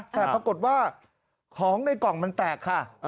แต่ปรากฏว่าของในกล่องมันแตกค่ะ